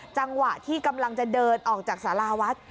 จังหวะที่กำลังจะเดินออกจากสาราวัด